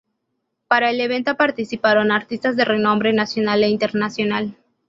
Para el evento participaron artistas de renombre nacional e internacional.